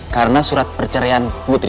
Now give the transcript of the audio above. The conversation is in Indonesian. karena surat percerian putri